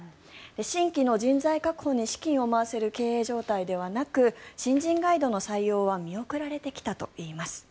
新規の人材確保に資金を回せる経営状態ではなく新人ガイドの採用は見送られてきたといいます。